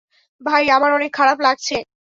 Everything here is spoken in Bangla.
ভাই, আমার অনেক খারাপ লাগছে।